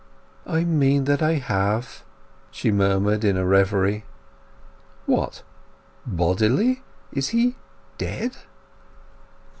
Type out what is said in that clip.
"I mean that I have," she murmured in a reverie. "What, bodily? Is he dead?"